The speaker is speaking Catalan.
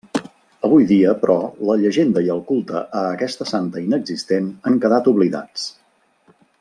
Avui dia, però, la llegenda i el culte a aquesta santa inexistent han quedat oblidats.